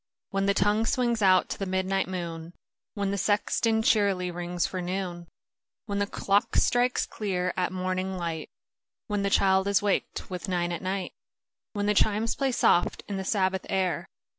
When the tonirue swino;s out to the midnin; ht moon— When the sexton checrly rings for noon — When the clock strikes clear at morning light — When the child is waked with " nine at night" — When the chimes play soft in the Sabbath air.